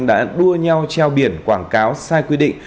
đã đua nhau treo biển quảng cáo sai quy định